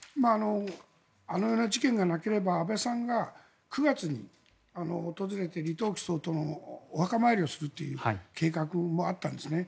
あのような事件がなければ安倍さんが９月に訪れて李登輝総統のお墓参りをするという計画もあったんです。